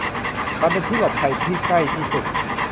มันเป็นที่หลบภัยที่ใกล้ที่สุด